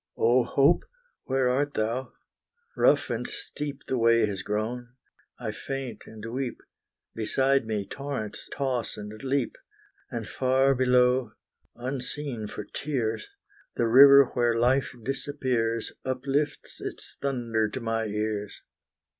O Hope! where art thou? rough and steep The way has grown; I faint and weep, Beside me torrents toss and leap, And far below, unseen for tears, The river where life disappears, Uplifts its thunder to my ears.